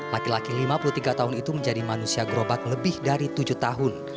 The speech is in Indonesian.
laki laki lima puluh tiga tahun itu menjadi manusia gerobak lebih dari tujuh tahun